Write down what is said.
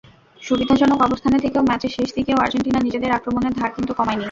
সুবিধাজনক অবস্থানে থেকেও ম্যাচের শেষ দিকেও আর্জেন্টিনা নিজেদের আক্রমণের ধার কিন্তু কমায়নি।